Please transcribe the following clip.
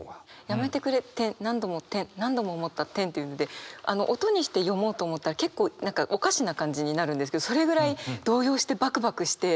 「やめてくれ、何度も、何度も思った、」っていうので音にして読もうと思ったら結構おかしな感じになるんですけどそれぐらい動揺してバクバクして。